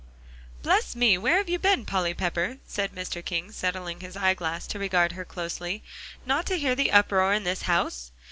"Bless me! where have you been, Polly Pepper," said Mr. King, settling his eyeglass to regard her closely, "not to hear the uproar in this house?